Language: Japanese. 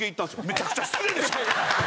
めちゃくちゃ失礼でしょ！